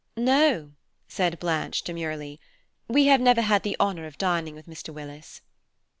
"No," said Blanche, demurely, "we have never had the honour of dining with Mr. Willis."